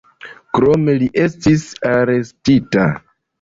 Krome li estis arestita.